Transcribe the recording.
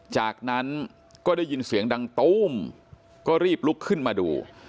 จากนั้นก็ได้ยินเสียงดังตู้มก็รีบลุกขึ้นมาดู